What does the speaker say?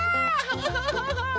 フフフフ。